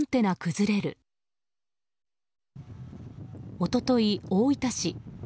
一昨日、大分市。